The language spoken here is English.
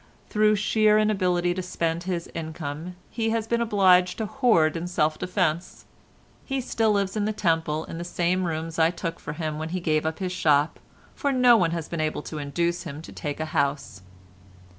Through sheer inability to spend his income he has been obliged to hoard in self defence. He still lives in the Temple in the same rooms I took for him when he gave up his shop, for no one has been able to induce him to take a house.